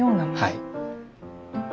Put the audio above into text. はい。